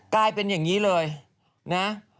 กลายเป็นอย่างนี้เลยนะ